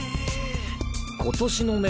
今年の明